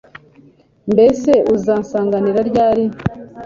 mbese uzansanganira ryari